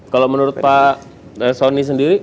kalau menurut pak sony sendiri